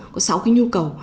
có sáu cái nhu cầu